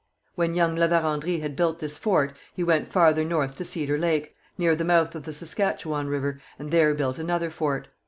When young La Vérendrye had built this fort, he went farther north to Cedar Lake, near the mouth of the Saskatchewan river, and there built another fort.